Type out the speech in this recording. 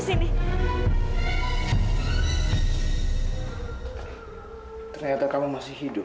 saya buka semuanya